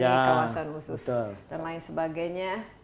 di kawasan khusus dan lain sebagainya